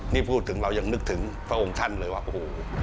นี่พูดถึงเรายังนึกถึงพระองค์ท่านเลยว่าโอ้โห